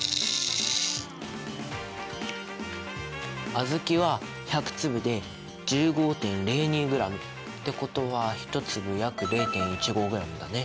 小豆は１００粒で１５．０２ｇ。ってことは１粒約０．１５ｇだね。